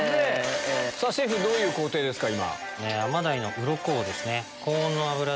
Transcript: シェフどういう工程ですか？